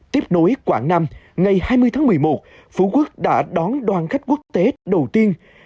tiếp nối quảng nam ngày hai mươi tháng một mươi một phú quốc đã đón đoàn khách quốc tế đầu tiên